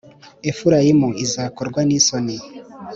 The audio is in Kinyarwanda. Efurayimu izakorwa n’isoni,